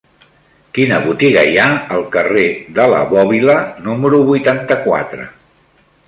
Quina botiga hi ha al carrer de la Bòbila número vuitanta-quatre?